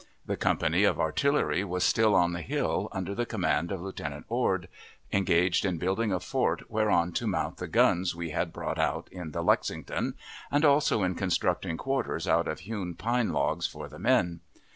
The company of artillery was still on the hill, under the command of Lieutenant Ord, engaged in building a fort whereon to mount the guns we had brought out in the Lexington, and also in constructing quarters out of hewn pine logs for the men.